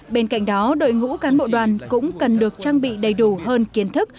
bên cạnh đó đội ngũ cán bộ đoàn cũng cần được trang bị đầy đủ hơn kiến thức